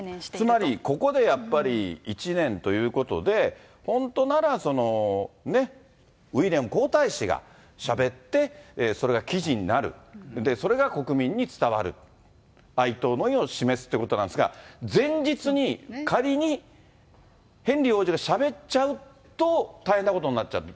つまり、ここでやっぱり１年ということで、本当なら、ねっ、ウィリアム皇太子がしゃべって、それが記事になる、で、それが国民に伝わる、哀悼の意を示すってことなんですが、前日に、仮にヘンリー王子がしゃべっちゃうと、大変なことになっちゃう。